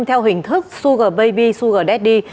theo hình thức sugar baby sugar daddy